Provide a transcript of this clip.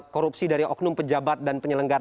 korupsi dari oknum pejabat dan penyelenggara